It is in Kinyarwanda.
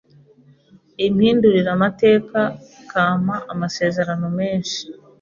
impindurire amateka ikampa amasezerano menshi,